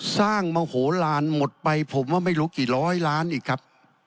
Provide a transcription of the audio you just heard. โมโหลานหมดไปผมว่าไม่รู้กี่ร้อยล้านอีกครับ